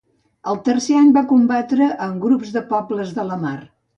El tercer any va combatre amb grups de Pobles de la mar.